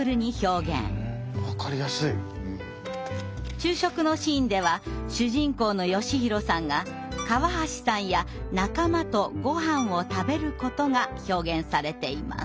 昼食のシーンでは主人公の「よしひろさん」が「かわはしさん」や「なかま」と「ごはん」を「たべる」ことが表現されています。